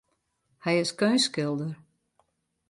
Hy is keunstskilder.